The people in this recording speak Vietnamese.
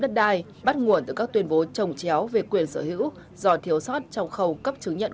đất đai bắt nguồn từ các tuyên bố trồng chéo về quyền sở hữu do thiếu sót trong khâu cấp chứng nhận